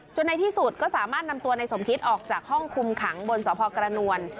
ในที่สุดก็สามารถนำตัวในสมคิตออกจากห้องคุมขังบนสพกระนวล